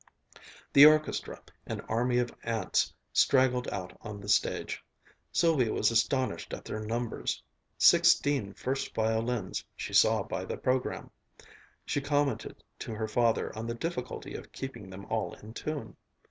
The orchestra, an army of ants, straggled out on the stage. Sylvia was astonished at their numbers sixteen first violins, she saw by the program! She commented to her father on the difficulty of keeping them all in tune.